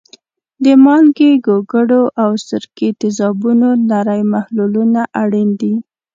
د مالګې، ګوګړو او سرکې تیزابونو نری محلولونه اړین دي.